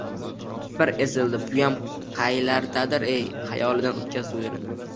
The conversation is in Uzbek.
«Bir ezildi, buyam qaylardadir-ey!» Xayolidan oʼtkazdi u erini.